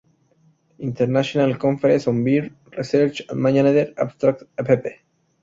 International Conference on Bear Research and Management, abstracts, pp.